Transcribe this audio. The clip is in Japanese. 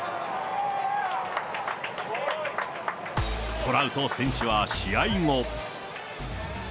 トラウト選手は試合後。